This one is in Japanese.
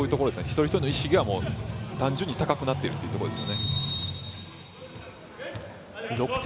一人一人の意識が単純に高くなっているというところですよね。